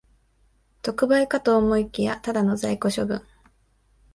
特売かと思いきや、ただの在庫処分